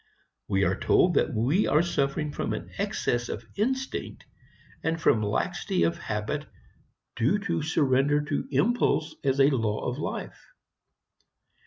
We are told that we are suffering from an excess of instinct, and from laxity of habit due to surrender to impulse as a law of life.